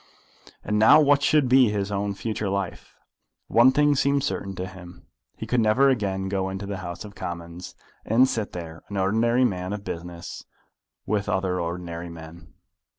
And now what should be his own future life? One thing seemed certain to him. He could never again go into the House of Commons, and sit there, an ordinary man of business, with other ordinary men.